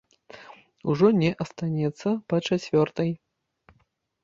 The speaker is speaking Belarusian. Ужо не астанецца па чацвёртай.